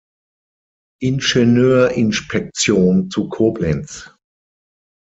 Ingenieurinspektion zu Koblenz.